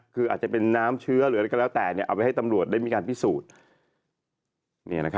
คืออาจจะเป็นน้ำเชื้อหรืออะไรก็แล้วแต่เอาไปให้ตำรวจได้มีการพิสูจน์